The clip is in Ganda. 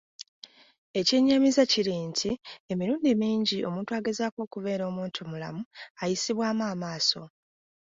Ekyennyamiza kiri nti emirundi mingi omuntu agezaako okubeera omuntumulamu, ayisibwamu amaaso.